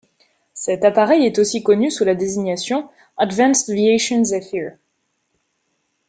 Cet appareil est aussi connu sous la désignation Advanced Aviation Zephyr.